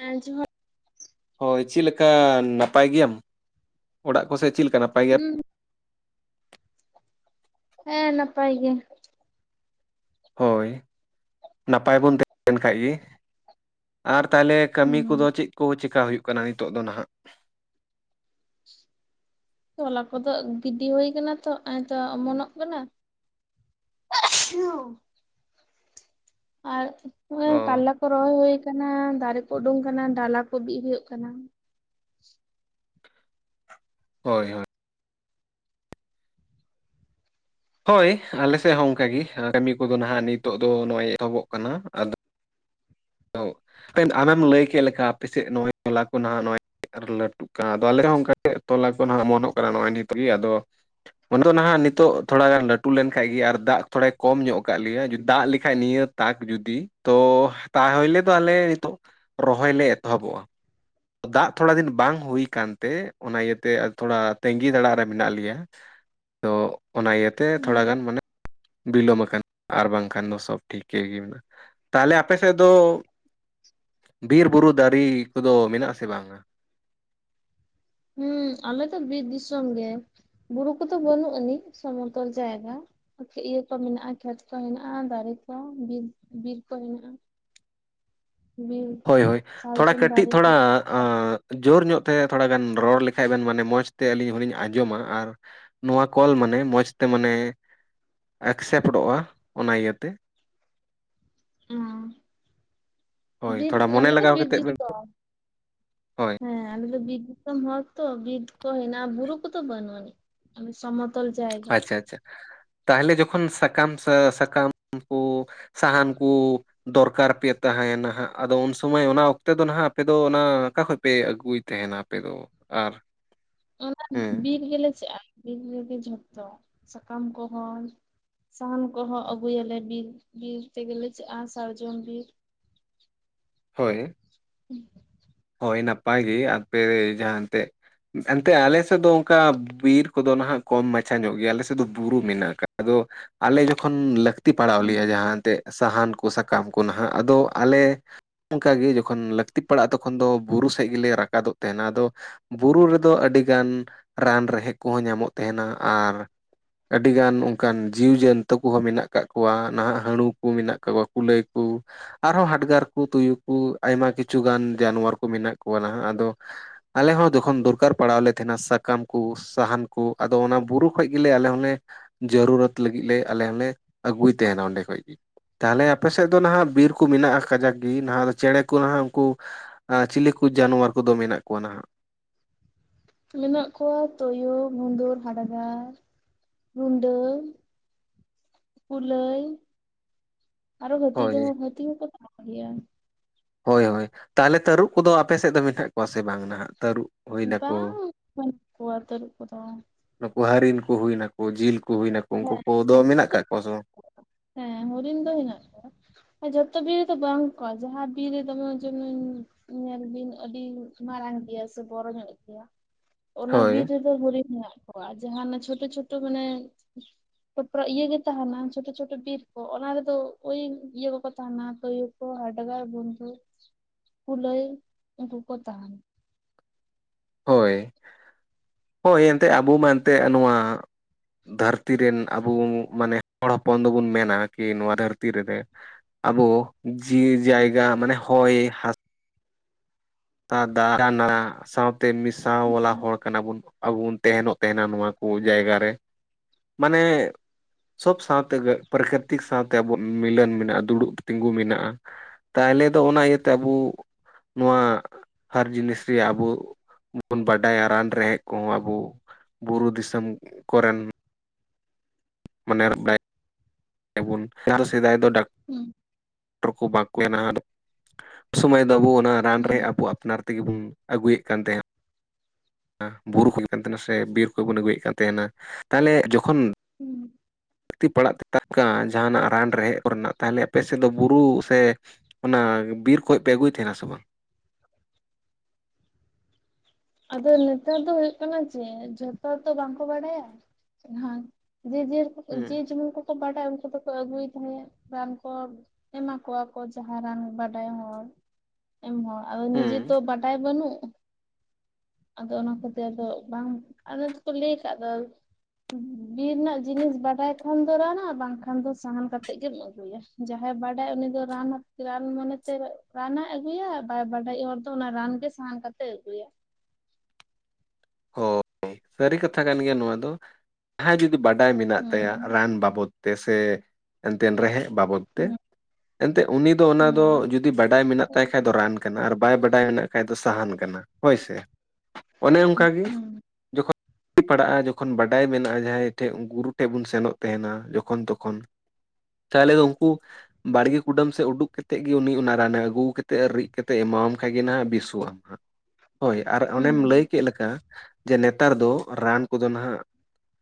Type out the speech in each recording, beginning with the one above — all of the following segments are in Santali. ᱟᱸ ᱡᱚᱦ [unintelligible] ᱦᱳᱭ, ᱪᱤᱜ ᱞᱮᱠᱟ ᱱᱟᱯᱟᱭ ᱜᱮᱭᱟᱢ? ᱚᱲᱟᱜ ᱠᱚᱥᱮᱫ ᱪᱤᱜ ᱞᱮᱠᱟ ᱱᱟᱯᱟᱭ ᱜᱮᱭᱟ? ᱦᱩᱸ ᱦᱮᱸ, ᱱᱟᱯᱟᱭ ᱜᱮ᱾ ᱦᱳᱭ, ᱱᱟᱯᱟᱭ ᱵᱚᱱ ᱛᱟᱦᱮᱸ ᱞᱮᱱ ᱠᱷᱟᱡ ᱜᱮ, ᱟᱨ ᱛᱟᱦᱚᱞᱮ ᱠᱟᱹᱢᱤ ᱦᱩᱸ ᱠᱚᱫᱚ ᱪᱮᱫ ᱠᱚ ᱪᱮᱠᱟ ᱦᱩᱭᱩᱜ ᱠᱟᱱᱟ ᱱᱤᱛᱚᱜ ᱫᱚ ᱱᱟᱦᱟᱜ? ᱛᱚᱞᱟ ᱠᱚᱫᱚ ᱜᱤᱰᱤ ᱦᱩᱭ ᱟᱠᱟᱱᱟ ᱛᱚ ᱦᱚᱸᱜᱼᱚᱭ ᱛᱚ ᱚᱢᱚᱱᱚᱜ ᱠᱟᱱᱟ ᱾ [unintelligible] ᱟᱨ ᱱᱚᱜᱼᱚᱭ ᱚ ᱠᱟᱨᱞᱟ ᱠᱚ ᱨᱚᱦᱚᱭ ᱦᱩᱭ ᱟᱠᱟᱱᱟ, ᱫᱟᱨᱮ ᱠᱚ ᱩᱰᱩᱝ ᱟᱠᱟᱱᱟ, ᱰᱟᱞᱟ ᱠᱚ ᱵᱤᱜ ᱦᱳᱭᱳᱜ ᱠᱟᱱᱟ ᱾ ᱦᱳᱭ ᱦᱳᱭ ᱾ ᱦᱳᱭ, ᱟᱞᱮ ᱥᱮᱜ ᱦᱚᱸ ᱚᱱᱠᱟᱜ ᱜᱮ ᱠᱟᱹᱢᱤ ᱠᱚᱫᱚ ᱱᱟᱦᱟᱜ ᱱᱤᱛᱚᱜ ᱫᱚ ᱱᱚᱜᱼᱚᱭ ᱮᱛᱚᱦᱚᱵᱚᱜ ᱠᱟᱱᱟ ᱾ ᱚ ᱟ ᱟᱢᱮᱢ ᱞᱟᱹᱭ ᱠᱮᱜ ᱞᱮᱠᱟ ᱟᱯᱮ ᱥᱮᱫ ᱱᱚᱜᱼᱚᱭ ᱦᱚᱞᱟ ᱠᱚ ᱱᱟᱦᱟᱜ ᱱᱚᱜᱼᱚᱭ ᱞᱟᱹᱴᱩ ᱠᱟᱸ ᱟᱫᱚ ᱟᱞᱮᱦᱚᱸ ᱚᱱᱠᱟᱜᱮ ᱛᱚᱞᱟ ᱠᱚ ᱱᱟᱦᱟᱸᱜ ᱢᱚᱱᱚᱜ ᱠᱟᱱᱟ ᱱᱚᱜᱼᱚᱭ ᱱᱤᱛᱜᱮ ᱟᱫᱚ ᱾ ᱵᱚᱱᱫᱷᱩ ᱱᱟᱦᱟᱜ ᱱᱤᱛᱚᱜ ᱛᱷᱚᱲᱟ ᱜᱟᱱ ᱞᱟᱹᱴᱩ ᱞᱮᱱᱠᱷᱟᱡ ᱜᱮ ᱟᱨ ᱫᱟᱜ ᱛᱷᱚᱲᱟᱭ ᱠᱚᱢ ᱧᱚᱜ ᱟᱠᱟᱫ ᱞᱮᱭᱟ ᱫᱟᱜ ᱞᱮᱠᱷᱟᱡ ᱱᱤᱭᱟᱹ ᱛᱟᱠ ᱡᱩᱫᱤ ᱛᱚ ᱛᱟᱦᱚᱞᱮ ᱫᱚ ᱟᱞᱮ ᱱᱤᱛᱚᱜ ᱨᱚᱦᱚᱭ ᱞᱮ ᱮᱛᱚᱦᱚᱵᱚᱜᱼᱟ ᱾ ᱫᱟᱜ ᱛᱷᱚᱲᱟ ᱫᱤᱱ ᱵᱟᱝ ᱦᱩᱭ ᱠᱟᱱ ᱛᱮ ᱚᱱᱟ ᱤᱭᱟᱹᱛᱮ ᱛᱷᱚᱲᱟ ᱛᱟᱹᱜᱤ ᱛᱟᱲᱟᱜ ᱨᱮ ᱢᱮᱱᱟᱜ ᱞᱮᱭᱟ ᱾ ᱛᱚ ᱚᱱᱟ ᱤᱭᱟᱹᱛᱮ ᱛᱷᱚᱲᱟ ᱦᱩᱸ ᱜᱟᱱ ᱢᱟᱱᱮ ᱵᱤᱞᱚᱢ ᱠᱟᱱᱟ ᱟᱨ ᱵᱟᱝᱠᱷᱟᱱ ᱫᱚ ᱥᱚᱵ ᱴᱷᱤᱠᱮ ᱜᱮ ᱢᱮᱱᱟᱜᱼᱟ, ᱛᱟᱦᱞᱮ ᱟᱯᱮ ᱥᱮᱫ ᱫᱚ ᱵᱤᱨ ᱵᱩᱨᱩ ᱫᱟᱨᱤ ᱠᱚᱫᱚ ᱢᱮᱱᱟᱜ ᱟᱥᱮ ᱵᱟᱝᱼᱟ ᱾ ᱦᱩᱸ ᱟᱞᱮ ᱫᱚ ᱵᱤᱨ ᱫᱤᱥᱚᱢ ᱜᱮ ᱵᱩᱨᱩ ᱠᱚᱫᱚ ᱵᱟᱹᱱᱩᱜ ᱟᱹᱱᱤᱡ ᱥᱚᱢᱚᱛᱚᱞ ᱡᱟᱭᱜᱟ, ᱤᱭᱟᱹ ᱠᱚ ᱢᱮᱱᱟᱜᱼᱟ, ᱠᱷᱮᱛ ᱠᱚ ᱦᱮᱱᱟᱜᱼᱟ, ᱫᱟᱨᱮ ᱠᱚ ᱵᱤᱨ ᱵᱤᱨ ᱠᱚ ᱦᱮᱱᱟᱜᱼᱟ ᱾ [inaudible] ᱦᱳᱭ ᱦᱳᱭ ᱛᱷᱚᱲᱟ ᱠᱟᱹᱴᱤᱜ ᱫᱟᱨᱮ ᱠᱚ ᱛᱷᱚᱲᱟ ᱟ ᱡᱳᱨ ᱧᱚᱜ ᱛᱮ ᱛᱷᱚᱲᱟ ᱜᱟᱱ ᱨᱚᱲ ᱞᱮᱠᱷᱟᱡ ᱵᱮᱱ ᱢᱟᱱᱮ ᱢᱚᱡᱽ ᱛᱮ ᱟᱹᱞᱤᱧ ᱦᱚᱸᱞᱤᱧ ᱟᱸᱡᱚᱢ ᱟ ᱟᱨ ᱱᱚᱣᱟ ᱠᱚᱞ ᱢᱟᱱᱮ ᱢᱚᱸᱡᱽᱛᱮ ᱢᱟᱱᱮ ᱮᱠᱥᱮᱯᱴᱚᱜᱼᱟ ᱚᱱᱟ ᱤᱭᱟᱹᱛᱮ ᱾ ᱚ ᱦᱳᱭ ᱵᱤᱨ ᱛᱷᱚᱲᱟ ᱢᱚᱱᱮ ᱟᱞᱮ ᱫᱚ ᱞᱟᱜᱟᱣ ᱵᱤᱨ ᱠᱟᱛᱮᱫ ᱵᱮᱱ ᱫᱤᱥᱚᱢ, ᱦᱳᱭ ᱦᱮᱸ ᱟᱞᱮ ᱫᱚ ᱵᱤᱨ ᱫᱤᱥᱚᱢ ᱦᱚᱨ ᱛᱚ ᱵᱤᱫ ᱠᱚ ᱦᱮᱱᱟᱜ ᱵᱩᱨᱩ ᱠᱚ ᱫᱚ ᱵᱟᱹᱱᱩᱜ ᱟᱱᱤᱡ ᱢᱟᱱᱮ ᱥᱚᱢᱚ ᱟᱪᱪᱷᱟ ᱟᱪᱪᱷᱟ ᱛᱟᱦᱚᱞᱮ ᱡᱚᱠᱷᱚᱱ ᱥᱟᱠᱟᱢ ᱥᱟᱹ ᱥᱟᱠᱟᱢ ᱠᱚ, ᱥᱟᱦᱟᱱ ᱠᱩ, ᱫᱚᱨᱠᱟᱨ ᱯᱮ ᱛᱟᱦᱮᱱᱟ ᱦᱟᱸᱜ ᱟᱫᱚ ᱩᱱ ᱥᱚᱢᱚᱭ ᱚᱱᱟ ᱚᱠᱛᱮ ᱫᱚ ᱱᱟᱦᱟᱜ ᱟᱯᱮ ᱫᱚ ᱚᱱᱟ ᱚᱠᱟ ᱠᱷᱚᱡ ᱯᱮ ᱟᱹᱜᱩᱭ ᱛᱟᱦᱮᱱᱟ ᱟᱯᱮ ᱫᱚ ᱟᱨ ᱚᱱᱟ ᱦᱮᱸ ᱵᱤᱨ ᱜᱮᱞᱮ ᱪᱟᱜ-ᱟ ᱾ ᱵᱤᱨ ᱨᱮᱜᱮ ᱡᱷᱚᱛᱚ ᱥᱟᱠᱟᱢ ᱠᱚᱦᱚᱸ ᱥᱟᱦᱟᱱ ᱠᱚᱦᱚᱸ ᱟᱹᱜᱩᱭᱟᱞᱮ ᱵᱤᱨ, ᱵᱤᱨ ᱛᱮ ᱜᱮ ᱪᱟᱜ-ᱟ ᱥᱟᱨᱡᱚᱱ ᱵᱤᱨ ᱦᱳᱭ᱾ ᱦᱩᱸ ᱦᱳᱭ ᱱᱟᱯᱟᱭ ᱜᱮ ᱟᱯᱮ ᱡᱟᱸᱦᱟᱛᱮᱜ ᱮᱱᱛᱮᱫ ᱟᱞᱮ ᱥᱮᱫ ᱫᱚ ᱚᱱᱠᱟ ᱵᱤᱨ ᱠᱚᱫᱚ ᱱᱟᱦᱟᱜ ᱠᱚᱢ ᱢᱟᱪᱷᱟ ᱧᱚᱜ ᱜᱮᱭᱟ ᱟᱞᱮ ᱥᱮᱫ ᱫᱚ ᱵᱩᱨᱩ ᱢᱮᱱᱟᱜ ᱟᱠᱟᱫ ᱟᱫᱚ ᱟᱞᱮ ᱡᱚᱠᱷᱚᱱ ᱞᱟᱹᱠᱛᱤ ᱯᱟᱲᱟᱣ ᱞᱮᱭᱟ ᱡᱟᱦᱟᱸ ᱮᱱᱛᱮᱜ ᱥᱟᱦᱟᱱ ᱠᱚ ᱥᱟᱠᱟᱢ ᱠᱚ ᱱᱟᱦᱟᱜ ᱟᱫᱚ ᱟᱞᱮ ᱚᱱᱠᱟ ᱜᱮ ᱡᱚᱠᱷᱚᱱ ᱞᱟᱹᱠᱛᱤ ᱯᱟᱲᱟᱜᱼᱟ ᱛᱚ ᱛᱚᱠᱷᱚᱱ ᱫᱚ ᱵᱩᱨᱩ ᱥᱮᱫ ᱜᱮᱞᱮ ᱨᱟᱠᱟᱵᱚᱜ ᱛᱟᱦᱮᱱᱟ ᱟᱫᱚ ᱵᱩᱨᱩ ᱨᱮᱫᱚ ᱟᱹᱰᱤᱜᱟᱱ ᱨᱟᱱ ᱨᱮᱦᱮᱫ ᱠᱚᱦᱚᱸ ᱧᱟᱢᱚᱜ ᱛᱟᱦᱮᱱᱟ ᱟᱨ ᱟᱹᱰᱤ ᱜᱟᱱ ᱚᱱᱠᱟᱱ ᱡᱤᱣᱡᱟ. ᱱᱛᱩ ᱠᱚᱦᱚᱸ ᱢᱮᱱᱟᱜ ᱟᱠᱟᱜ ᱠᱚᱣᱟ ᱱᱟᱦᱟᱜ ᱦᱟ. ᱬᱩ ᱠᱚ ᱢᱮᱱᱟᱜ ᱟᱠᱟ ᱠᱚᱣᱟ ᱠᱩᱞᱟᱹᱭ ᱠᱚ ᱟᱨᱦᱚᱸ ᱦᱟᱰᱜᱟᱨ ᱠᱚ ᱛᱩᱭᱩ ᱠᱚ ᱟᱭᱢᱟ ᱠᱤᱪᱷᱩ ᱜᱟᱱ ᱡᱟᱱᱣᱟᱨ ᱠᱚ ᱢᱮᱱᱟᱜ ᱠᱚᱣᱟ ᱱᱟᱦᱟᱜ ᱟᱫᱚ ᱟᱞᱮ ᱦᱚᱸ ᱡᱚᱠᱷᱚᱱ ᱫᱚᱨᱠᱟᱨ ᱯᱟᱲᱟᱣᱟᱞᱮ ᱛᱟᱦᱮᱱᱟ ᱥᱟᱠᱟᱢ ᱠᱚ ᱥᱟᱦᱟᱱ ᱠᱚ ᱟᱫᱚ ᱚᱱᱟ ᱵᱩᱨᱩ ᱠᱷᱚᱡ ᱜᱮᱞᱮ ᱟᱞᱮ ᱦᱚᱸᱞᱮ ᱡᱟᱹᱨᱩᱨᱟᱛ ᱞᱟᱹᱜᱤᱫ ᱞᱮ ᱟᱞᱮ ᱦᱚᱸᱞᱮ ᱟᱹᱜᱩᱭ ᱛᱟᱦᱮᱱᱟ ᱚᱸᱰᱮ ᱠᱷᱚᱡ ᱜᱮ᱾ ᱛᱟᱦᱚᱞᱮ ᱟᱯᱮ ᱥᱮᱫ ᱫᱚ ᱱᱟᱦᱟᱜ ᱵᱤᱨ ᱠᱚ ᱢᱮᱱᱟᱜᱼᱟ ᱠᱟᱡᱟᱠ ᱜᱮ ᱱᱟᱦᱟᱜ ᱫᱚ ᱪᱮᱬᱮ ᱠᱚ ᱱᱟᱦᱟᱜ ᱩᱱᱠᱩ ᱪᱤᱞᱤ ᱠᱚ ᱡᱟᱱᱣᱟᱨ ᱠᱚᱫᱚ ᱢᱮᱱᱟᱜ ᱠᱚᱣᱟ ᱱᱟᱦᱜ? ᱢᱮᱱᱟᱜ ᱠᱚᱣᱟ ᱛᱩᱭᱩ ᱜᱩᱸᱫᱩᱨ ᱦᱟᱰᱜᱟᱨ ᱨᱩᱰᱟᱹ ᱾ ᱠᱩᱞᱟᱹᱭ ᱟᱨᱚ ᱦᱟᱹᱛᱤ ᱫᱚ ᱦᱳᱭ ᱦᱟᱹᱛᱤ ᱦᱚᱸᱠᱚ ᱛᱟᱦᱮ ᱜᱮᱭᱟ᱾ ᱦᱳᱭ-ᱦᱳᱭ ᱛᱟᱦᱚᱞᱮ ᱛᱟᱹᱨᱩᱵ ᱠᱚᱫᱚ ᱟᱯᱮ ᱥᱮᱫ ᱫᱚ ᱢᱮᱱᱟᱜ ᱠᱚᱣᱟ ᱥᱮ ᱵᱟᱝ ᱱᱟᱦᱟᱜ ᱛᱟᱹᱨᱩᱵ ᱦᱩᱭ ᱱᱟᱠᱚ ᱵᱟᱝ ᱵᱟᱱᱩᱜ ᱠᱚᱣᱟ ᱛᱟᱹᱨᱩᱵ ᱠᱚᱫᱚ᱾ ᱱᱩᱠᱩ ᱦᱟ. ᱨᱤᱱ ᱠᱚ ᱦᱩᱭ ᱱᱟᱠᱚ ᱡᱤᱞ ᱠᱚ ᱦᱩᱭᱱᱟᱠᱚ ᱩᱱᱠᱩ ᱠᱚᱫᱚ ᱢᱩᱨᱩᱫ ᱢᱮᱱᱟᱜ ᱠᱚ ᱟᱠᱟᱫ ᱠᱚᱣᱟ ᱥᱮ? ᱦᱮᱸ ᱦᱚᱨᱤᱱ ᱫᱚ ᱦᱮᱱᱟᱜ ᱠᱚᱣᱟ᱾ [inaudible] ᱧᱮᱞ ᱵᱤᱱ ᱟᱹᱰᱤ ᱢᱟᱨᱟᱝ ᱜᱮᱭᱟ ᱥᱮ ᱵᱚᱨᱚ ᱧᱚᱜ ᱜᱮᱭᱟ? ᱚᱱᱟ ᱦᱳᱭ ᱵᱤᱨ ᱨᱮᱫᱚ ᱦᱚᱨᱤᱱ ᱢᱮᱱᱟᱜ ᱠᱚᱣᱟ ᱡᱟᱦᱟᱸᱟᱱᱟᱜ ᱪᱷᱳᱴᱩ-ᱪᱷᱳᱴ ᱢᱟᱱᱮ ᱤᱭᱟᱹ ᱜᱮ ᱛᱟᱦᱮᱱᱟ ᱪᱷᱳᱴᱩ-ᱪᱷᱳᱴᱩ ᱵᱤᱨ ᱠᱚ ᱚᱱᱟ ᱨᱮᱫᱚ ᱳᱭ ᱤᱭᱟᱹ ᱠᱚᱠᱚ ᱛᱟᱦᱮᱱᱟ ᱛᱳ ᱦᱟᱰᱜᱟᱨ ᱵᱚᱱᱷᱩ ᱠᱚᱩᱞᱟᱹᱭ ᱩᱱᱠᱩ ᱠᱚ ᱛᱟᱦᱮᱱᱟ᱾ ᱦᱳᱭ, ᱦᱳᱭ ᱮᱱᱛᱮᱫ ᱟᱵᱚ ᱢᱟ ᱮᱱᱛᱮᱫ ᱱᱚᱣᱟ ᱫᱷᱟᱹᱨᱛᱤ ᱨᱮᱱ ᱟᱵᱚ ᱢᱟᱱᱮ ᱦᱚᱲ ᱦᱚᱯᱚᱱ ᱫᱚᱵᱚᱱ ᱢᱮᱱᱟ ᱠᱤ ᱱᱚᱣᱟ ᱫᱷᱟᱹᱨᱛᱤ ᱨᱮᱵᱮ ᱟᱵᱚ ᱡᱤᱭᱤ ᱡᱟᱭᱜᱟ ᱢᱟᱱᱮ ᱦᱭ ᱦᱟ ᱛᱚ ᱫᱟᱜ ᱟᱨ ᱱᱟᱜ ᱥᱟᱶᱛᱮ ᱢᱮᱥᱟᱣ ᱣᱟᱞᱟ ᱦᱩᱸ ᱦᱚᱲ ᱠᱟᱱᱟ ᱵᱚᱱ᱾ ᱟᱵᱚ ᱵᱚᱱ ᱛᱟᱦᱮᱱᱚᱜ ᱛᱟᱦᱮᱱᱟ ᱱᱚᱣᱟ ᱠᱚ ᱡᱟᱭᱜᱟ ᱨᱮ, ᱢᱟᱱᱮ ᱥᱚᱵ ᱥᱟᱶᱛᱮ ᱜᱮ ᱯᱟᱹᱨᱠᱟᱹᱨᱛᱤᱠ ᱥᱟᱶᱛᱮ ᱟᱵᱚᱣᱟᱜ ᱢᱤᱞᱟ. ᱱ ᱢᱮᱱᱟᱜᱼᱟ ᱫᱩᱲᱩᱵ ᱛᱤᱸᱜᱩ ᱢᱮᱱᱟᱜᱼᱟ ᱾ ᱛᱟᱭᱞᱮ ᱫᱚ ᱚᱱᱟ ᱤᱭᱟᱹᱛᱮ ᱟᱵᱩ, ᱱᱚᱣᱟ ᱦᱟᱨ ᱡᱤᱱᱤᱥ ᱨᱮᱭᱟᱜ ᱟᱵᱩ ᱵᱚᱱ ᱵᱟᱰᱟᱭᱟ ᱨᱟᱱ ᱨᱮᱦᱮᱫ ᱠᱚᱦᱚᱸ ᱟᱵᱩ ᱵᱩᱨᱩ ᱫᱤᱥᱚᱢ ᱠᱚᱨᱮᱱ ᱢᱟᱱᱮ ᱥᱮᱫᱟᱭ ᱫᱚ ᱰᱟᱠ ᱦᱩᱸ᱾ ᱵᱟᱠᱚ ᱱᱟᱦᱟᱜ, ᱥᱚᱢᱚᱭ ᱫᱚᱵᱚ ᱚᱱᱟ ᱨᱟᱱ ᱦᱩᱸ ᱨᱮᱭᱟᱜ ᱟᱵᱚ ᱟᱯᱱᱟᱨ ᱛᱮᱜᱮ ᱵᱚᱱ ᱟᱹᱜᱩᱭᱮᱫ ᱠᱟᱱ ᱛᱟᱦᱮᱸᱜ ᱟ ᱵᱩᱨᱩ ᱠᱷᱟᱡ ᱦᱩᱭᱩᱜ ᱠᱟᱱ ᱛᱟᱦᱮᱱᱟ ᱥᱮ ᱵᱤᱨ ᱠᱷᱚᱡ ᱵᱚᱱ ᱟᱹᱜᱩᱭᱮᱫ ᱠᱟᱱ ᱛᱟᱦᱮᱱᱟ ᱛᱟᱦᱞᱮ ᱡᱚᱠᱷᱚᱱ ᱦᱩᱸ᱾ ᱞᱟᱹᱠᱛᱤ ᱯᱟᱲᱟᱜ ᱛᱟᱯᱮ ᱠᱷᱟᱱ ᱡᱟᱦᱟᱱᱟᱜ ᱨᱟᱱ ᱨᱮᱦᱮᱫ ᱠᱚᱨᱮᱱᱟᱜ ᱛᱟᱦᱚᱞᱮ ᱟᱯᱮ ᱥᱮᱫ ᱫᱚ ᱵᱩᱨᱩ ᱥᱮ ᱚᱱᱟ ᱵᱤᱨ ᱠᱷᱚᱡ ᱯᱮ ᱟᱹᱜᱩᱭ ᱛᱟᱦᱮᱱᱟ ᱥᱮ ᱵᱟᱝ? ᱟᱫᱚ ᱱᱮᱛᱟᱨ ᱫᱚ ᱦᱩᱭᱩ ᱠᱟᱱᱟ ᱡᱮ ᱡᱷᱚᱛᱚ ᱛᱚ ᱵᱟᱝᱠᱚ ᱵᱟᱲᱟᱭᱟ᱾ [unintelligible] ᱦᱩᱸ ᱡᱮ ᱡᱮᱢᱚᱱ ᱠᱚ ᱛᱚ ᱵᱟᱰᱟᱭ ᱩᱱᱠᱩ ᱫᱚᱠᱚ ᱟ. ᱜᱩᱟᱹᱭᱮᱫ ᱛᱟᱦᱮᱫ ᱨᱟᱱ ᱠᱚ ᱮᱢᱟ ᱠᱚᱣᱟ ᱠᱚ ᱡᱟᱦᱟᱸ ᱨᱟᱱ ᱵᱟᱰᱟᱭ ᱦᱚᱲ ᱮᱢ ᱦᱚᱸ ᱟᱫᱚ ᱦᱩᱸ ᱱᱤᱡᱮᱛᱚ ᱵᱟᱰᱟᱭ ᱵᱟᱹᱱᱩᱜ, ᱟᱫᱚ ᱚᱱᱟ ᱠᱚᱛᱮ ᱟᱫᱚ ᱵᱟᱝ ᱟᱞᱮ ᱫᱚᱠᱚ ᱞᱟᱹᱭ ᱠᱟᱫ ᱫᱚ ᱵᱤᱨ ᱨᱮᱱᱟᱜ ᱡᱤᱱᱤᱥ ᱵᱟᱰᱟᱭ ᱠᱷᱟᱱ ᱫᱚ ᱨᱟ-ᱱᱟ ᱵᱟᱝᱠᱷᱟᱱ ᱫᱚ ᱥᱟᱦᱟᱱ ᱠᱟᱛᱮᱜ ᱜᱮᱢ ᱟᱹᱜᱩᱭᱟ ᱡᱟᱦᱟᱸᱭ ᱵᱟᱰᱟᱭ ᱩᱱᱤ ᱫᱚ ᱨᱟᱱ ᱟᱛ ᱨᱟᱱ ᱢᱚᱱᱮᱛᱮ ᱨᱟᱱᱮ ᱟᱹᱜᱩᱭᱟ ᱵᱟᱭ ᱵᱟᱰᱟᱭᱤᱡ ᱦᱚᱲ ᱫᱚ ᱚᱱᱟ ᱨᱟᱱ ᱜᱮ ᱥᱟᱦᱟᱱ ᱠᱟᱛᱮ ᱟᱹᱜᱩᱭᱟ ᱳᱜ ᱥᱟᱹᱨᱤ ᱠᱟᱛᱷᱟ ᱠᱟᱱ ᱜᱮᱭᱟ ᱱᱚᱣᱟ ᱫᱚ ᱦᱮ ᱡᱩᱫᱤ ᱵᱟᱰᱟᱭ ᱢᱮᱱᱟᱜ ᱛᱟᱭᱟ ᱦᱩᱸ ᱨᱟᱱ ᱵᱟᱵᱚᱫ ᱛᱮᱥᱮ ᱮᱱᱛᱮᱱ ᱨᱮᱦᱮᱫ ᱵᱟᱵᱚᱫ ᱛᱮ ᱦᱩᱸ ᱮᱱᱛᱮ ᱩᱱᱤ ᱫᱚ ᱚᱱᱟ ᱫᱚ ᱦᱩᱸ ᱡᱩᱫᱤ ᱵᱟᱰᱟᱭ ᱢᱮᱱᱟᱜ ᱛᱟᱭ ᱠᱷᱟ ᱫᱚ ᱨᱟᱱ ᱠᱟᱱᱟ ᱟᱨ ᱵᱟᱭ ᱵᱟᱰᱟᱭᱟᱱᱟᱜ ᱠᱷᱟᱡ ᱫᱚ ᱥᱟᱦᱟᱱ ᱠᱟᱱᱟ ᱦᱳᱭᱥ ᱚᱱᱮ ᱚᱱᱠᱟ ᱜᱮ ᱵᱟᱹᱞᱤᱧ ᱡᱚᱠᱷᱚ ᱯᱟᱲᱟᱜᱼᱟ ᱡᱚᱠᱷᱚᱱ ᱵᱟᱰᱟᱭ ᱢᱮᱱᱟᱜᱼᱟ ᱡᱟᱦᱟᱸᱭ ᱴᱷᱮᱡ ᱜᱩᱨᱩ ᱴᱷᱮᱡ ᱵᱚᱱ ᱥᱮᱱᱚᱜ ᱛᱟᱦᱮᱱᱟ ᱡᱚᱠᱷᱚᱱ ᱛᱚᱠᱷᱚᱱ ᱛᱟᱦᱚᱞᱮ ᱩᱱᱠᱩ ᱵᱟᱲᱜᱮ ᱠᱩᱰᱟᱹᱢ ᱥᱮᱫ ᱩᱰᱩᱠ ᱠᱟᱛᱮᱫ ᱜᱮ ᱩᱱᱤ ᱚᱱᱟ ᱨᱟᱱᱮ ᱟᱹᱜᱩ ᱠᱟᱜ ᱛᱮ ᱨᱤᱫ ᱠᱟᱛᱮ ᱮᱢᱟᱭᱟᱢ ᱠᱷᱟᱡ ᱜᱮ ᱱᱟᱦᱟᱜ ᱵᱮᱥᱚᱜ ᱟᱢ ᱦᱟᱸᱜ ᱦᱳᱭ ᱟᱨ ᱚᱱᱮᱢ ᱞᱟᱹᱭ ᱠᱮᱫ ᱞᱮᱠᱟ ᱡᱮ ᱱᱮᱛᱟᱨ ᱫᱚ ᱨᱟᱱ ᱠᱚᱫᱚ ᱱᱟᱦᱟᱜ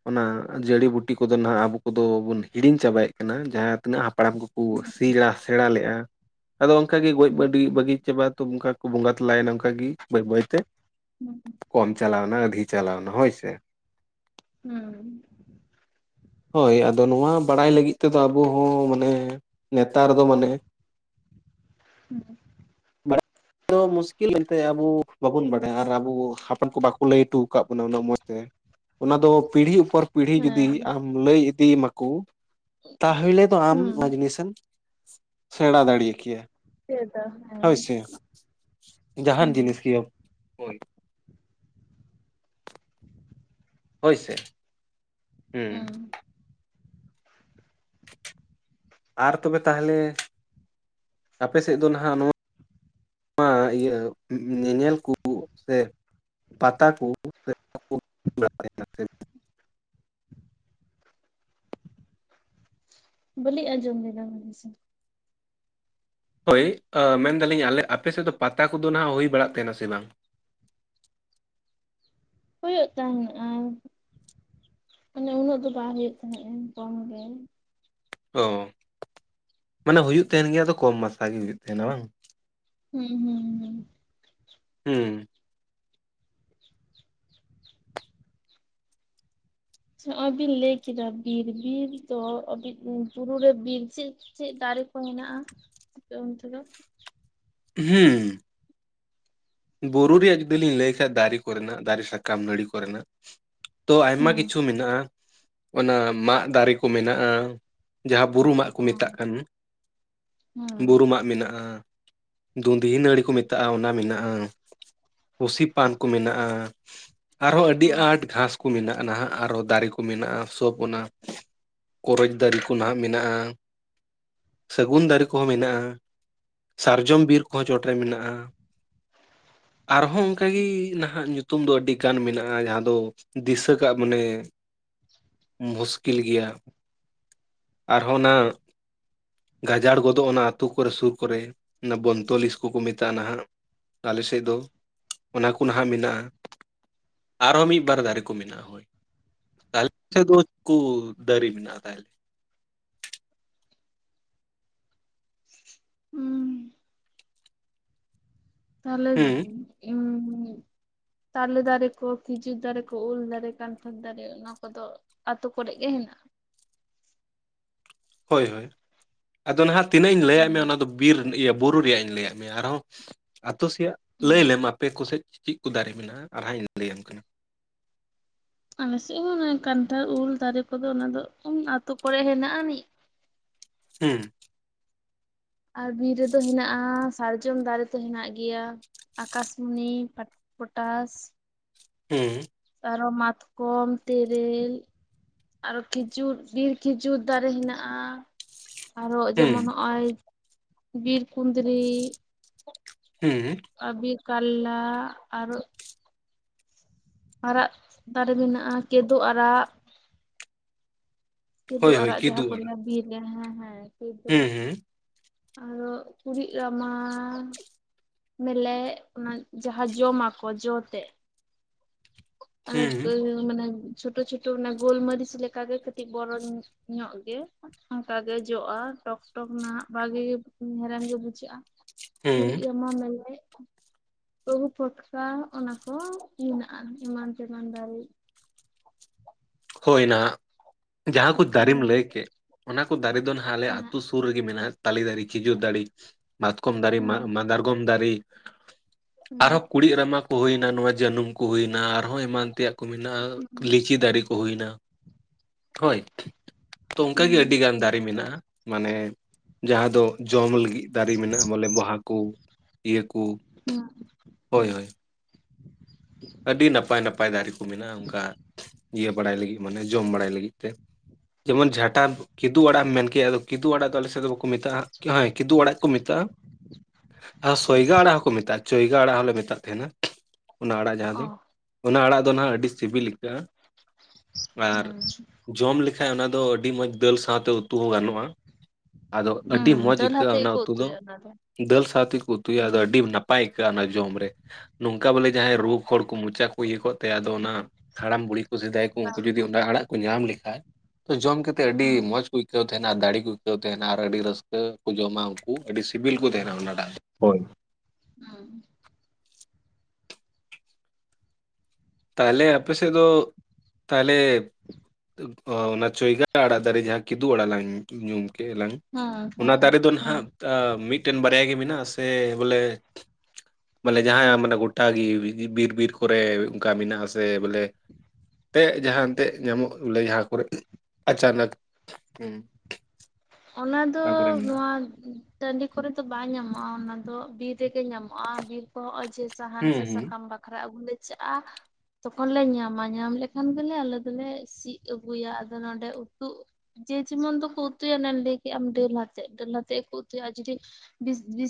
ᱚᱱᱟ ᱡᱟᱹᱲᱤ ᱵᱩᱴᱤ ᱠᱚᱫᱚ ᱱᱟᱦᱟᱜ ᱟᱵᱚ ᱠᱚᱫᱚ ᱵᱚᱱ ᱦᱤᱲᱤᱧ ᱪᱟᱵᱟᱭᱮᱫ ᱠᱟᱱᱟ ᱡᱟᱦᱟᱸ ᱛᱤᱱᱟᱹᱜ ᱦᱟᱯᱲᱟᱢ ᱠᱚᱠᱚ ᱥᱤᱞᱟ ᱥᱮᱬᱟ ᱞᱮᱜᱼᱟ᱾ ᱟᱫᱚ ᱚᱱᱠᱟᱜᱮ ᱜᱚᱡ ᱵᱟᱹᱰᱤ ᱵᱟᱹᱜᱤ ᱪᱟᱵᱟ ᱛᱚ ᱚᱱᱠᱟ ᱜᱮᱠᱚ ᱵᱚᱸᱜᱟ ᱛᱟᱞᱟᱭᱮᱱᱟ ᱚᱱᱠᱟᱜᱮ ᱵᱟᱹᱭ ᱵᱟᱹᱭᱛᱮ ᱪᱟᱞᱟᱣ ᱮᱱᱟ ᱦᱳᱭ ᱥᱮ ᱦᱩᱸ ᱦᱳᱭ ᱟᱫᱚ ᱱᱚᱣᱟ ᱵᱟᱲᱟᱭ ᱞᱟᱹᱜᱤᱫ ᱛᱮᱫᱚ ᱟᱵᱚ ᱦᱚᱸ ᱢᱟᱱᱮ ᱱᱮᱛᱟᱨ ᱫᱚ ᱢᱟᱱᱮ [unintelligible] ᱟᱫᱚ ᱢᱩᱥᱠᱤᱞ ᱮᱱᱛᱮ ᱟᱵᱩ ᱵᱟᱵᱩᱱ ᱵᱟᱲᱟᱭᱟ ᱟᱨ ᱟᱵᱩ ᱦᱟᱯᱲᱟᱢ ᱠᱚ ᱵᱟᱠᱚ ᱞᱟᱹᱭ ᱦᱚᱴᱚ ᱟᱠᱟᱫ ᱵᱚᱱᱟ ᱩᱱᱟᱹᱜ ᱢᱚᱸᱡᱽᱛᱮ ᱚᱱᱟ ᱫᱚ ᱯᱤᱲᱦᱤ ᱩᱯᱚᱨ ᱯᱤᱲᱦᱤ ᱡᱩᱫᱤ ᱟᱢ ᱞᱟᱹᱭ ᱤᱫᱤᱭᱟᱢᱟᱠᱩ ᱛᱟᱦᱚᱞᱮ ᱫᱚ ᱟᱢ ᱚᱱᱟ ᱡᱤᱱᱤᱥᱮᱢ ᱥᱮᱬᱟ ᱫᱟᱲᱮ ᱠᱮᱭᱟ ᱪᱮᱫᱟᱫᱟ ᱦᱳᱭ ᱦᱟᱸᱭ ᱥᱮ ᱡᱟᱦᱟᱱ ᱡᱤᱱᱤᱥ ᱜᱮᱢ ᱦᱳᱭ ᱥᱮ ᱦᱩᱸ ᱟᱨ ᱛᱚᱵᱮ ᱛᱟᱦᱚᱞᱮ ᱟᱯᱮ ᱥᱮᱫ ᱫᱚ ᱱᱟᱦᱟᱜ ᱱᱚᱣᱟ ᱱᱟᱣᱟ ᱤᱭᱟᱹ ᱧᱮᱧᱮᱞ ᱠᱩ ᱥᱮ ᱯᱟᱛᱟ ᱠᱚ [unintelligible] ᱵᱟᱹᱞᱤ ᱟᱸᱡᱚᱢ ᱞᱮᱫᱟ ᱞᱟᱹᱭ ᱢᱮᱥᱮ ᱦᱳᱭ ᱟᱹ ᱢᱮᱱᱫᱟᱞᱤᱧ ᱟᱞᱮ ᱟᱯᱮᱥᱮᱫ ᱫᱚ ᱯᱟᱛᱟ ᱠᱚᱫᱚ ᱱᱟᱜ ᱦᱩᱭ ᱵᱟᱲᱟᱜ ᱛᱟᱦᱮᱱᱟ ᱥᱮ ᱵᱟᱝ ᱦᱩᱭᱩᱜ ᱛᱟᱦᱮᱸᱱᱤᱜᱟᱭ ᱢᱟᱱᱮ ᱩᱱᱟᱹᱜ ᱫᱚ ᱵᱟᱭ ᱦᱩᱭᱩᱜ ᱛᱟᱦᱮᱸᱫᱼᱟ ᱠᱚᱢ ᱜᱮ ᱚᱸ ᱢᱟᱱᱮ ᱦᱩᱭᱩᱜ ᱛᱟᱦᱮᱱ ᱜᱮᱭᱟ ᱛᱚ ᱠᱚᱢ ᱢᱟᱥᱟ ᱜᱮ ᱦᱩᱭᱩᱜ ᱛᱟᱦᱮᱱᱟ ᱵᱟᱝ ᱦᱩᱸ ᱦᱩᱸ ᱦᱩᱸ ᱦᱩᱸ [inaudible] ᱟᱠᱷᱟᱡ ᱱᱟᱜ ᱚᱭ ᱵᱤᱱ ᱞᱟᱹᱭ ᱠᱮᱫᱟ ᱵᱤᱨ ᱵᱤᱨ ᱫᱚ ᱵᱩᱨᱩ ᱨᱮ ᱵᱤᱨ ᱪᱮᱫ ᱪᱮᱫ ᱫᱟᱨᱮ ᱠᱚ ᱦᱮᱱᱟᱜᱼᱟ ᱟᱯᱮ ᱚᱱᱛᱮᱫᱚ ᱦᱩᱸ ᱵᱩᱨᱩ ᱨᱮᱭᱟᱜ ᱡᱩᱫᱤ ᱞᱤᱧ ᱞᱟᱹᱭ ᱠᱷᱟᱡ ᱫᱟᱨᱮ ᱠᱚᱨᱮᱱᱟᱜ ᱫᱟᱨᱮ ᱥᱟᱠᱟᱢ ᱱᱟᱹᱲᱤ ᱠᱚᱨᱮᱱᱟᱜ ᱛᱚ ᱟᱭᱢᱟ ᱦᱩᱸ ᱠᱤᱪᱷᱩ ᱢᱮᱱᱟᱜᱼᱟ ᱚᱱᱟ ᱢᱟᱜᱽ ᱫᱟᱨᱮ ᱠᱚ ᱢᱮᱱᱟᱜᱼᱟ ᱡᱟᱦᱟᱸ ᱵᱩᱨᱩ ᱢᱟᱜᱽ ᱠᱚ ᱢᱮᱛᱟᱜ ᱦᱩᱸ ᱠᱟᱱ ᱦᱩᱸ ᱵᱩᱨᱩ ᱢᱟᱜᱽ ᱢᱮᱱᱟᱜᱼᱟ ᱫᱩᱸᱫᱷᱤ ᱱᱟᱹᱲᱤ ᱠᱚ ᱢᱮᱛᱟᱜᱼᱟ ᱚᱱᱟ ᱢᱮᱱᱟᱜᱼᱟ ᱯᱩᱥᱤ ᱯᱟᱱ ᱠᱚ ᱢᱮᱱᱟᱜᱼᱟ ᱟᱨᱦᱚᱸ ᱟᱹᱰᱤ ᱟᱸᱴ ᱜᱷᱟᱥ ᱠᱚ ᱢᱮᱱᱟᱜᱼᱟ ᱱᱟᱦᱟᱜ ᱟᱨᱚ ᱫᱟᱨᱮ ᱠᱚ ᱢᱮᱱᱟᱜᱼᱟ ᱥᱚᱵ ᱚᱱᱟ ᱠᱚᱨᱚᱪ ᱫᱟᱨᱮ ᱠᱚ ᱱᱟᱦᱟᱜ ᱢᱮᱱᱟᱜᱼᱟ ᱥᱟᱹᱜᱩᱱ ᱫᱟᱨᱮ ᱠᱚᱦᱚᱸ ᱢᱮᱱᱟᱜᱼᱟ ᱥᱟᱨᱡᱚᱢ ᱵᱤᱨ ᱠᱚᱦᱚᱸ ᱪᱚᱴᱨᱮ ᱢᱮᱱᱟᱜᱼᱟ ᱟᱨᱦᱚᱸ ᱚᱱᱠᱟᱜᱮ ᱱᱟᱦᱟᱜ ᱧᱩᱛᱩᱢ ᱫᱚ ᱟᱹᱰᱤᱜᱟᱱ ᱢᱮᱱᱟᱜᱼᱟ ᱡᱟᱦᱟᱸ ᱫᱚ ᱫᱤᱥᱟᱹ ᱠᱟᱜ ᱢᱟᱱᱮ ᱢᱩᱥᱠᱤᱞ ᱜᱮᱭᱟ ᱟᱨᱦᱚᱸ ᱚᱱᱟ ᱜᱟᱡᱟᱲ ᱜᱚᱫᱚᱜᱼᱟ ᱟᱛᱳ ᱠᱚᱨᱮ ᱥᱩᱨ ᱠᱚᱨᱮ ᱚᱱᱟ ᱵᱚᱱᱛᱚᱞᱤᱥ ᱠᱚᱠᱚ ᱢᱮᱛᱟᱜᱼᱟ ᱦᱟᱸᱜ᱾ ᱟᱞᱮ ᱥᱮᱫ ᱫᱚ ᱚᱱᱟ ᱠᱚ ᱱᱟᱦᱟᱜ ᱢᱮᱱᱟᱜᱼᱟ᱾ ᱟᱨᱦᱚᱸ ᱢᱤᱫ ᱵᱟᱨ ᱫᱟᱨᱮ ᱠᱚ ᱢᱮᱱᱟᱜᱼᱟ ᱦᱳᱭ᱾ [unintelligible] ᱫᱟᱨᱤ ᱢᱮᱱᱟᱜᱼᱟ ᱛᱟᱦᱚᱞᱮ ᱦᱩᱸ ᱛᱟᱦᱞᱮ ᱦᱩᱸ [unintelligible] ᱛᱟᱞᱮ ᱫᱟᱨᱮ ᱠᱚ ᱠᱷᱤᱡᱩᱨ ᱫᱟᱨᱮ ᱠᱚ ᱩᱞ ᱫᱟᱨᱮ ᱠᱟᱱᱴᱷᱟᱲ ᱫᱟᱨᱮ ᱚᱱᱟ ᱠᱚᱫᱚ ᱟᱛᱳ ᱠᱚᱨᱮ ᱜᱮ ᱦᱮᱱᱟᱜ-ᱟ᱾ ᱦᱳᱭ ᱦᱳᱭ, ᱟᱫᱚ ᱱᱟᱦᱟᱜ ᱛᱤᱱᱟᱹᱜ ᱤᱧ ᱞᱟᱹᱭᱟᱫ ᱢᱮᱭᱟ ᱦᱩᱸ ᱚᱱᱟ ᱫᱚ ᱵᱤᱨ ᱵᱩᱨᱩ ᱨᱮᱭᱟᱜ ᱤᱧ ᱞᱟᱹᱭᱟᱫ ᱢᱮᱭᱟ ᱟᱨᱦᱚᱸ ᱟᱛᱳ ᱥᱮᱭᱟᱜ ᱞᱟᱹᱭ ᱢᱮ? ᱟᱯᱮ ᱠᱚᱥᱮᱫ ᱪᱮᱫ ᱠᱚ ᱫᱟᱨᱮ ᱢᱮᱱᱟᱜᱼᱟ ᱟᱨᱦᱚ ᱤᱧ ᱞᱟᱹᱭᱟᱢ ᱠᱟᱱᱟ᱾ ᱟᱞᱮᱥᱮᱫ ᱦᱚᱸ ᱠᱟᱱᱴᱷᱟᱲ ᱩᱞ ᱫᱟᱨᱮ ᱠᱚᱫᱚ ᱚᱱᱟ ᱫᱚ ᱟᱛᱳ ᱠᱚᱨᱮ ᱦᱮᱱᱟᱜ ᱟᱹᱱᱤᱡ, [unintelligible] ᱟᱨ ᱵᱤᱨ ᱨᱮᱫᱚ ᱦᱮᱱᱟᱜᱼᱟ ᱥᱟᱨᱡᱚᱢ ᱫᱟᱨᱮ ᱛᱚ ᱦᱮᱱᱟᱜ ᱜᱮᱭᱟ᱾ ᱟᱠᱟᱥᱢᱩᱱᱤ ᱯᱚᱴᱟᱥ ᱦᱩᱸ ᱟᱨᱦᱚ ᱢᱟᱛᱠᱚᱢ ᱛᱮᱨᱮᱞ, ᱟᱨᱦᱚ ᱠᱷᱤᱡᱩᱨ ᱵᱤᱨ ᱠᱷᱤᱡᱩᱨ ᱫᱟᱨᱮ ᱦᱮᱱᱟᱜᱼᱟ᱾ ᱟᱨᱦᱚ ᱦᱩᱸ ᱡᱮᱢᱚᱱ ᱱᱚᱜᱼᱚᱭ ᱵᱤᱨ ᱠᱩᱸᱫᱽᱨᱤ ᱦᱩᱸ ᱵᱤᱨ ᱠᱟᱞᱞᱟᱸ ᱟᱨ ᱟᱨᱟᱜ ᱫᱟᱨᱮ ᱢᱮᱱᱟᱜᱼᱟ ᱠᱮᱫᱩ ᱟᱨᱟᱜ᱾ ᱠᱮᱫᱩ ᱦᱳᱭ ᱦᱳᱭ ᱟᱨᱟᱜ ᱡᱟᱦᱟᱸ ᱠᱤᱫᱩᱵ ᱠᱚ ᱟᱲᱟᱜ ᱞᱟᱭᱟ ᱵᱤᱨ ᱨᱮ ᱦᱮᱸ ᱦᱮᱸ ᱠᱮᱫᱩ, ᱦᱩᱸ ᱦᱩᱸ ᱟᱨᱦᱚ ᱠᱩᱲᱤᱫ ᱨᱟᱢᱟ ᱢᱮᱞᱮᱜ ᱚᱱᱟ ᱡᱟᱦᱟᱸ ᱡᱚᱢᱟᱠᱚ ᱡᱚ ᱛᱮ, ᱟᱡ ᱦᱩᱸ [unintelligible] ᱢᱟᱱᱮ ᱪᱷᱳᱴᱳ ᱪᱷᱳᱴᱳ ᱚᱱᱟ ᱜᱳᱞᱢᱟᱹᱨᱤᱪ ᱞᱮᱠᱟᱜᱮ ᱠᱟᱹᱴᱤᱡ ᱵᱚᱨᱚ ᱧᱚᱜ ᱜᱮ ᱚᱱᱠᱟ ᱜᱮ ᱡᱚᱜᱼᱟ ᱴᱚᱠ ᱴᱚᱠ ᱱᱟᱸᱜ, ᱵᱷᱟᱜᱮ ᱜᱮ ᱦᱮᱲᱮᱢ ᱜᱮ ᱵᱩᱡᱷᱟᱹᱜᱼᱟ ᱦᱩᱸ ᱠᱩᱲᱤᱫ ᱨᱟᱢᱟ ᱢᱮᱞᱮᱜ᱾ ᱟᱹᱦᱩ ᱯᱷᱚᱴᱠᱟ ᱚᱱᱟ ᱠᱚ ᱦᱮᱱᱟᱜᱼᱟ ᱮᱢᱟᱱ ᱛᱮᱢᱟᱱ ᱫᱟᱨᱮ᱾ ᱦᱳᱭ ᱱᱟᱦᱟᱜ ᱡᱟᱦᱟᱸ ᱠᱚ ᱫᱟᱨᱮᱢ ᱞᱟᱹᱭ ᱦᱩᱸ ᱠᱮᱫ ᱚᱱᱟ ᱠᱚ ᱫᱟᱨᱮ ᱫᱚ ᱱᱟᱦᱟᱜ ᱟᱞᱮ ᱦᱮᱸ ᱟᱛᱳ ᱥᱩᱨ ᱨᱮᱜᱮ ᱢᱮᱱᱟᱜ-ᱟ᱾ ᱛᱟᱞᱤ ᱫᱟᱨᱤ ᱠᱷᱤᱡᱩᱨ ᱫᱟᱲᱤ ᱢᱟᱛᱠᱚᱢ ᱫᱟᱨᱮ ᱢᱟ ᱦᱮᱸ ᱢᱟᱫᱟᱨᱜᱚᱢ ᱫᱟᱨᱤ, ᱦᱩᱸ ᱟᱨᱦᱚᱸ ᱠᱩᱲᱤᱫ ᱨᱟᱢᱟ ᱠᱚ ᱦᱩᱭᱱᱟ ᱱᱚᱣᱟ ᱡᱟᱹᱱᱩᱢ ᱠᱚ ᱦᱩᱭᱱᱟ ᱟᱨᱦᱚᱸ ᱮᱢᱟᱱ ᱛᱮᱭᱟᱜ ᱠᱚ ᱢᱮᱱᱟᱜᱼᱟ ᱦᱩᱸ ᱞᱤᱪᱤ ᱫᱟᱨᱮ ᱠᱚ ᱦᱩᱭᱱᱟ᱾ ᱦᱳᱭ, ᱛᱚ ᱚᱱᱠᱟᱜᱮ ᱦᱩᱸ ᱟᱹᱰᱤᱜᱟᱱ ᱫᱟᱨᱮ ᱢᱮᱱᱟᱜᱼᱟ ᱢᱟᱱᱮ ᱡᱟᱦᱟᱸ ᱫᱚ ᱡᱚᱢ ᱞᱟᱹᱜᱤᱫ ᱫᱟᱨᱮ ᱢᱮᱱᱟᱜᱼᱟ ᱵᱚᱞᱮ ᱵᱟᱦᱟ ᱠᱚ ᱤᱭᱟᱹ ᱠᱚ ᱦᱩᱸ ᱦᱳᱭ ᱦᱳᱭ ᱟᱹᱰᱤ ᱱᱟᱯᱟᱭ ᱱᱟᱯᱟᱭ ᱫᱟᱨᱮ ᱠᱚ ᱢᱮᱱᱟᱜᱼᱟ ᱚᱱᱠᱟ ᱤᱭᱟᱹ ᱵᱟᱲᱟᱭ ᱞᱟᱹᱜᱤᱫ ᱢᱟᱱᱮ ᱡᱚᱢ ᱵᱟᱲᱟᱭ ᱞᱟᱹᱜᱤᱫ ᱛᱮ᱾ ᱡᱮᱢᱚᱱ ᱡᱷᱟᱴᱟᱢ ᱠᱤᱫᱩ ᱟᱲᱟᱜᱮᱢ ᱢᱮᱱ ᱠᱮᱜ ᱟᱫᱚ ᱠᱤᱫᱩ ᱟᱲᱟᱜ ᱫᱚ ᱟᱞᱮᱥᱮᱫ ᱫᱚ ᱵᱟᱠᱩ ᱠᱚ ᱢᱮᱛᱟᱜᱟ ᱠᱤᱦᱟᱭ ᱠᱤᱫᱩ ᱟᱲᱟᱜ ᱠᱚ ᱢᱮᱛᱟᱜᱼᱟ ᱟᱨ ᱥᱚᱭᱜᱟ ᱟᱲᱟᱜ ᱠᱚ ᱢᱮᱛᱟᱜᱼᱟ ᱪᱚᱭᱜᱟ ᱟᱲᱟᱜ ᱦᱚᱸᱞᱮ ᱢᱮᱛᱟᱜ ᱛᱟᱦᱮᱱᱟ ᱚᱱᱟ ᱟᱲᱟᱜ᱾ ᱡᱟᱦᱟᱸ ᱚ ᱫᱚ ᱚᱱᱟ ᱟᱲᱟᱜ ᱫᱚ ᱦᱟᱜ ᱟᱹᱰᱤ ᱥᱤᱵᱤᱞ ᱟᱹᱭᱠᱟᱹᱜᱼᱟ, ᱟᱨ ᱦᱩᱸ ᱡᱚᱢ ᱞᱮᱠᱷᱟᱡ ᱚᱱᱟ ᱫᱚ ᱟᱹᱰᱤ ᱢᱚᱸᱡᱽ ᱫᱟᱹᱞ ᱥᱟᱶᱛᱮ ᱩᱛᱩ ᱦᱚᱸ ᱜᱟᱱᱚᱜᱼᱟ᱾ ᱟᱫᱚ ᱚᱱᱟᱫᱚ᱾ ᱦᱩᱸ ᱟᱹᱰᱤ ᱢᱚᱡᱽ ᱫᱟᱹᱞ ᱟᱹᱭᱠᱟᱹᱜᱼᱟ ᱚᱱᱟ ᱦᱟᱛᱮᱜ ᱜᱮᱠᱚ ᱩᱛᱩ ᱫᱚ᱾ ᱩᱛᱩᱭᱟ ᱚᱱᱟ ᱫᱟᱹᱞ ᱥᱟᱶᱛᱮᱠᱚ ᱩᱛᱩᱭᱟ ᱟᱫᱚ ᱟᱹᱰᱤ ᱱᱟᱯᱟᱭ ᱟᱹᱭᱠᱟᱹᱜᱼᱟ ᱚᱱᱟ ᱡᱚᱢᱨᱮ ᱱᱚᱝᱠᱟ ᱵᱚᱞᱮ ᱡᱟᱦᱟᱸᱭ ᱨᱳᱜᱼᱼ ᱦᱚᱲ ᱠᱚ ᱢᱚᱪᱟ ᱠᱚ ᱤᱭᱟᱹ ᱠᱚᱜ ᱛᱟᱭᱟ ᱟᱫᱚ ᱚᱱᱟ ᱦᱟᱲᱟᱢ ᱵᱩᱲᱦᱤ ᱠᱚ ᱥᱮᱫᱟᱭ ᱠᱚ ᱫᱚ ᱩᱱᱠᱩ ᱡᱩᱫᱤ ᱚᱱᱟ ᱟᱲᱟᱜ ᱠᱚ ᱧᱟᱢ ᱞᱮᱠᱷᱟᱡ ᱛᱚ ᱡᱚᱢ ᱠᱟᱛᱮᱜ ᱟᱹᱰᱤ ᱦᱩᱸ ᱢᱚᱸᱡᱽ ᱠᱚ ᱟᱹᱭᱠᱟᱹᱣ ᱛᱟᱦᱮᱱᱟ ᱫᱟᱲᱮ ᱠᱚ ᱟᱹᱭᱠᱟᱹᱣ ᱛᱟᱦᱮᱱᱟ ᱟᱨ ᱟᱹᱰᱤ ᱨᱟᱹᱥᱠᱟᱹ ᱠᱚ ᱡᱚᱢᱟ ᱩᱱᱠᱩ ᱟᱹᱰᱤ ᱥᱤᱵᱤᱞ ᱠᱚ ᱛᱟᱦᱮᱱᱟ ᱚᱱᱟ ᱰᱟᱜ ᱦᱳᱭ ᱦᱩᱸ ᱛᱟᱦᱚᱞᱮ ᱟᱯᱮᱥᱮᱫ ᱫᱚ ᱛᱟᱦᱚᱞᱮ ᱚᱱᱟ ᱪᱚᱭᱜᱟ ᱟᱲᱟᱜ ᱫᱟᱨᱮ ᱡᱟᱦᱟᱸ ᱠᱤᱫᱩ ᱟᱲᱟᱜ ᱞᱟᱝ ᱧᱩᱢ ᱠᱮᱫ ᱞᱟᱝ ᱦᱩᱸ ᱚᱱᱟ ᱦᱩᱸ ᱫᱟᱨᱮ ᱫᱚ ᱦᱩᱸ ᱱᱟᱦᱱᱟᱜ ᱟ ᱢᱤᱫᱴᱮᱱ ᱵᱟᱨᱭᱟ ᱜᱮ ᱢᱮᱱᱟᱜᱼᱟ ᱥᱮ ᱵᱚᱞᱮ ᱵᱚᱞᱮ ᱡᱟᱦᱟᱸ ᱢᱟᱱᱮ ᱜᱚᱴᱟ ᱜᱤ ᱵᱤᱨ ᱵᱤᱨ ᱠᱚᱨᱮ ᱚᱱᱠᱟ ᱢᱮᱱᱟᱜ ᱟᱥᱮ ᱵᱚᱞᱮ ᱛᱮ ᱡᱟᱦᱟ ᱮᱱᱛᱮᱜ ᱧᱟᱢᱚᱜ ᱵᱚᱞᱮ ᱡᱟᱦᱟᱸ ᱠᱚᱨᱮ ᱟᱪᱟᱱᱟᱠ ᱦᱩ ᱚᱱᱟ ᱫᱚ ᱱᱚᱣᱟ ᱴᱟᱰᱤ ᱠᱚᱨᱮ ᱫᱚ ᱵᱟᱭ ᱧᱟᱢᱚᱜᱼᱟ, ᱚᱱᱟ ᱫᱚ ᱵᱤᱨ ᱛᱮᱜ ᱜᱮ ᱧᱟᱢᱚᱜᱼᱟ ᱵᱤᱨ ᱠᱚ ᱱᱚᱜᱼᱚᱭ ᱡᱮ ᱥᱟᱦᱟᱱ ᱦᱩᱸ ᱥᱮ ᱦᱩᱸ ᱥᱟᱠᱟᱢ ᱵᱟᱠᱷᱨᱟ ᱟᱹᱜᱩ ᱞᱮ ᱪᱟᱜᱼᱟ, ᱛᱚᱠᱷᱚᱱ ᱞᱮ ᱧᱟᱢᱟ ᱧᱟᱢ ᱞᱮᱠᱷᱟᱱ ᱜᱮᱞᱮ ᱟᱞᱮ ᱫᱚᱞᱮ ᱥᱤᱜ‌ ᱟᱜᱩᱭᱟ ᱟᱫᱚ ᱱᱚᱰᱮ ᱩᱛᱩᱜ ᱡᱮ ᱡᱮᱢᱚᱱ ᱫᱚᱠᱚ ᱩᱛᱩ ᱭᱟ ᱚᱱᱮ ᱞᱟᱹᱭᱠᱮᱜᱟᱢ ᱰᱟᱹᱞ ᱟᱛᱮ ᱰᱟᱹᱞ ᱟᱛᱮ ᱦᱳᱠᱚ ᱩᱛᱩᱭᱟ ᱟᱨ ᱡᱩᱫᱤ ᱵᱤᱥ ᱵᱤᱥ